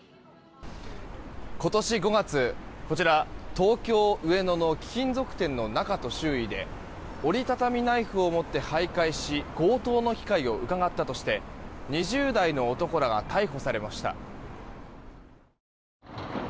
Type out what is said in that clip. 今年５月こちら東京・上野の貴金属店の中と周囲で折り畳みナイフを持って徘徊し強盗の機会をうかがったとして２０代の男らが逮捕されました。